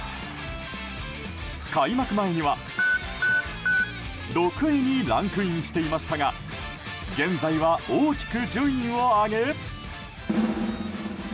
開幕前には６位にランクインしていましたが現在は大きく順位を上げ。